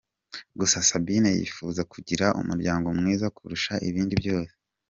Gusa Sabine yifuza kugira umuryango mwiza kurusha ibindi byose.